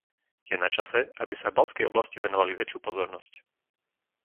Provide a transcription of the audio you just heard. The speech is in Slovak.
Je načase, aby sme Baltskej oblasti venovali väčšiu pozornosť.